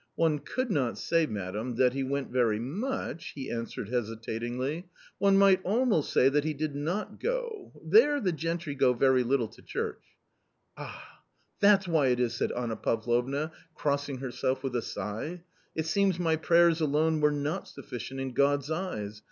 " One could not say, madam, that he went very much," he answered hesitatingly ;" one might almost say that he did not go .... there the gentry go very little to church." " Ah, that's why it is !" said Anna Pavlovna, crossing herself with a sigh. *' It seems my prayers alone were not sufficient in God's eyes.